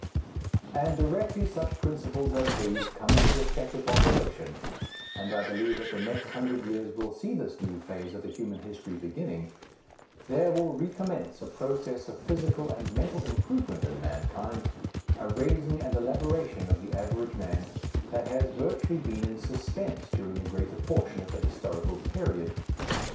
And directly such principles as these come into effective operation, and I believe that the next hundred years will see this new phase of the human history beginning, there will recommence a process of physical and mental improvement in mankind, a raising and elaboration of the average man, that has virtually been in suspense during the greater portion of the historical period.